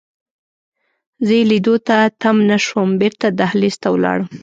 زه یې لیدو ته تم نه شوم، بیرته دهلېز ته ولاړم.